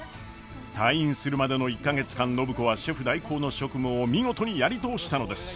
退院するまでの１か月間暢子はシェフ代行の職務を見事にやり通したのです。